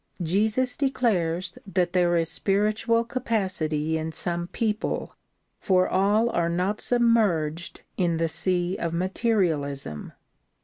Jesus declares that there is spiritual capacity in some people ; for all are not submerged in the sea of materialism.